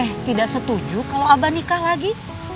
eh tidak setuju kalau abah nikah lagi